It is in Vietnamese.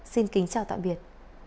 xin kính chào tạm biệt